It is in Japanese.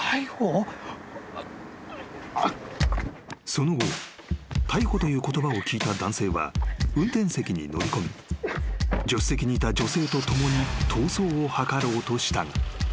［その後逮捕という言葉を聞いた男性は運転席に乗り込み助手席にいた女性と共に逃走を図ろうとしたが］